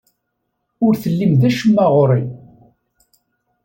Ur tellim d acemma ɣer-i.